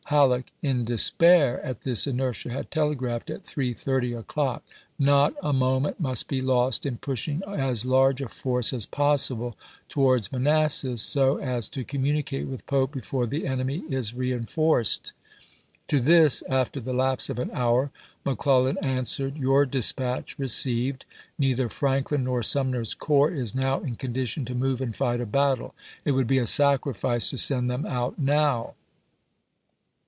Halleck, tJ.9i." in despair at this inertia, had telegraphed at 3:30 o'clock :" Not a taoment must be lost in pushing Vol. VL— 2 18 ABRAHAM LINCOLN Chap. I. as large a force as possible towards Manassas so voT"xii ^^^^ communicate with Pope before the enemy ^p'^So"' is reenforced." To this, after the lapse of an hour, McClellan answered: "Your dispatch received. Neither Franklin nor Sumner's corps is now in condition to move and fight a battle. It would Ibid. be a sacrifice to send them out now.